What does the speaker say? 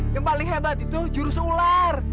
yang paling hebat itu jurus ular